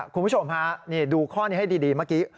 คุณผู้ชมฮะนี่ดูข้อนี้ให้ดีเมื่อกี้